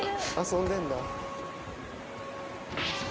遊んでんだ。